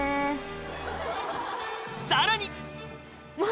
さらに！